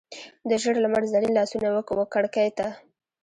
د ژړ لمر زرین لاسونه وکړکۍ ته،